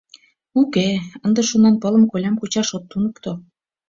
Уке, ынде Шонанпылым колям кучаш от туныкто.